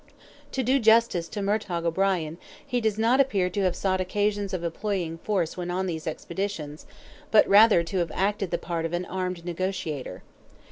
To do justice to Murtogh O'Brien, he does not appear to have sought occasions of employing force when on these expeditions, but rather to have acted the part of an armed negotiator.